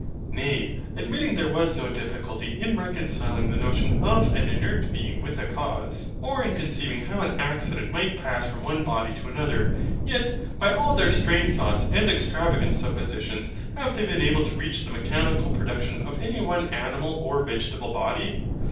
Nay, admitting there was no difficulty in reconciling the notion of an inert being with a cause, or in conceiving how an accident might pass from one body to another; yet, by all their strained thoughts and extravagant suppositions, have they been able to reach the MECHANICAL production of any one animal or vegetable body?